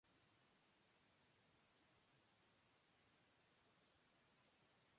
El castillo acoge el museo.